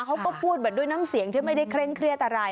เขาก็พูดแบบด้วยน้ำเสียงที่ไม่ได้เคร่งเครียดอะไร